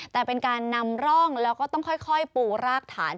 แต่เป็นการนำร่องแล้วก็ต้องค่อยปูรากฐาน